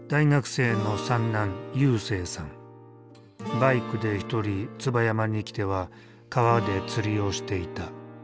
バイクで一人椿山に来ては川で釣りをしていた。